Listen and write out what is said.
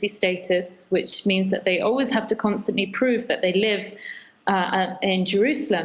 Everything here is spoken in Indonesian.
yang berarti mereka selalu harus selalu mencadangkan bahwa mereka hidup di jerusalem